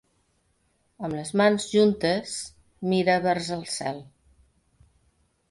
Amb les mans juntes, mira vers el cel.